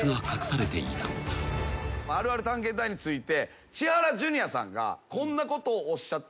あるある探検隊について千原ジュニアさんがこんなことをおっしゃったそうです。